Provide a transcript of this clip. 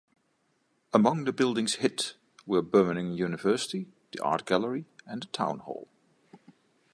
Among the buildings hit were Birmingham University, the Art Gallery and the Town Hall.